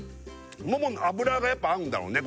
ももの脂がやっぱ合うんだろうね